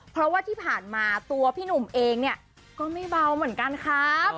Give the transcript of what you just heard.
เพราะว่าที่ผ่านมาตัวพี่หนุ่มเองเนี่ยก็ไม่เบาเหมือนกันครับ